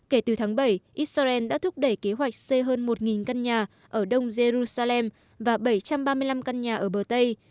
kể từ tháng bảy israel đã thúc đẩy kế hoạch xây hơn một căn nhà ở đông jerusalem và bảy trăm ba mươi năm căn nhà ở bờ tây